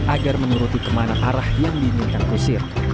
agar menuruti kemana arah yang diinginkan kusir